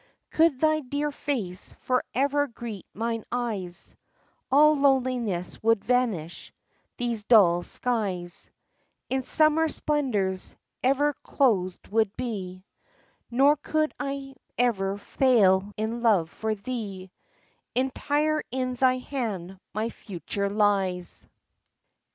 Could thy dear face forever greet mine eyes All loneliness would vanish — these dull skies In Summer splendors ever clothed would be ;— Nor could I ever fail in love for thee; — Entire in thy hand my future lies